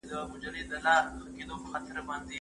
موږ باید د نوي کهول لپاره علمي مواد برابر کړو.